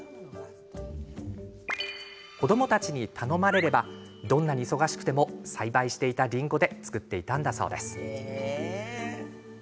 子どもたちに頼まれればどんなに忙しくても栽培していたりんごで作っていたんだそうです。